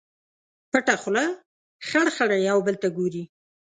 پټه خوله خړ، خړ یو بل ته ګوري